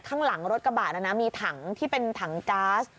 ข้างหลังรถกระบะนะนะมีถังที่เป็นถังก๊าซ